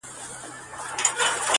په تنور کي زېږېدلي په تنور کي به ښخیږي٫